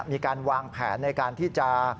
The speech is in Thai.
มีการวางแผนในการที่จะ